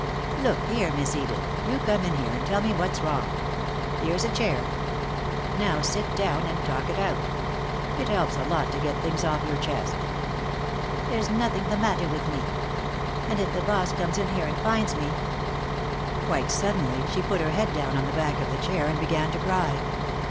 "Look here, Miss Edith, you come in here and tell me what's wrong. Here's a chair. Now sit down and talk it out. It helps a lot to get things off your chest." "There's nothing the matter with me. And if the boss comes in here and finds me " Quite suddenly she put her head down on the back of the chair and began to cry.